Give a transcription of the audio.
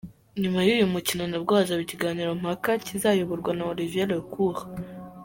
Nyuma y’uyu mukino nabwo hazaba ikiganiro mpaka kizayoborwa na Olivier Lecour .